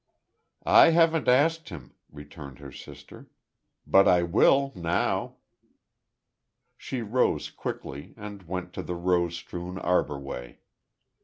"I haven't asked him," returned her sister. "But I will, now." She rose, quickly, and went to the rose strewn arbor way.